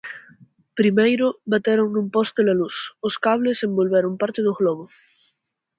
Primeiro bateron nun poste la luz, os cables envolveron parte do globo.